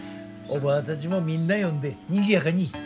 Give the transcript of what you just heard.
おばぁたちもみんな呼んでにぎやかに。